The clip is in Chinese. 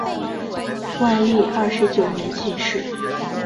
万历二十九年进士。